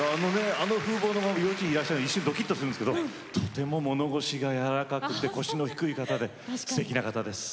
あの風貌のまま幼稚園いらっしゃるので一瞬ドキッとするんですけどとても物腰が柔らかくて腰の低い方ですてきな方です。